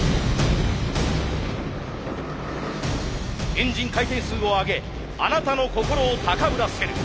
エンジン回転数を上げあなたの心を高ぶらせる。